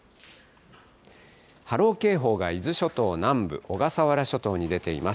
波浪警報が伊豆諸島南部、小笠原諸島に出ています。